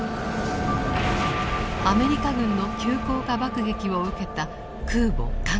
アメリカ軍の急降下爆撃を受けた空母「加賀」。